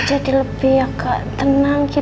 jadi lebih tenang